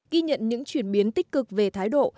ghi nhận những chuyển biến tích cực về thái độ